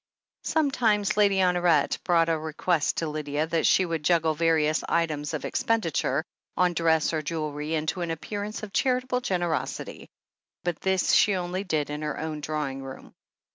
..." Sometimes Lady Honoret brought a request to Lydia that she would juggle various items of expenditure on dress or jewellery into an appearance of charitable generosity, but this she only did in her own drawing room.